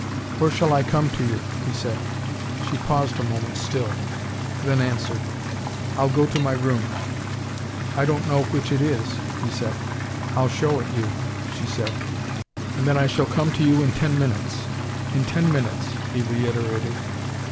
"Where shall I come to you?" he said. She paused a moment still, then answered: "I'll go to my room." "I don't know which it is," he said. "I'll show it you," she said. "And then I shall come to you in ten minutes. In ten minutes," he reiterated.